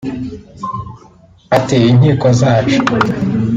Ati “Inkiko zacu